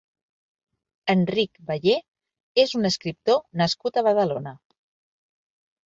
Enric Bayé és un escriptor nascut a Badalona.